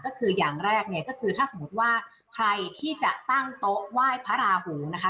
ก็คืออย่างแรกเนี่ยก็คือถ้าสมมติว่าใครที่จะตั้งโต๊ะไหว้พระราหูนะคะ